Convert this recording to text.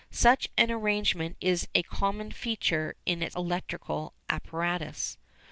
Such an arrangement is a common feature in electrical apparatus.